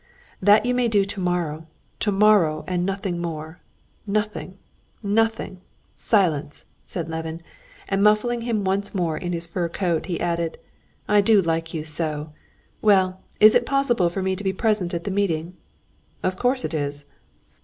"That you may do tomorrow, tomorrow and nothing more! Nothing, nothing, silence," said Levin, and muffling him once more in his fur coat, he added: "I do like you so! Well, is it possible for me to be present at the meeting?" "Of course it is."